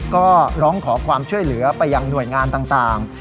ก็ร้องขอความช่วยเหลือไปยังหน่วยงานต่าง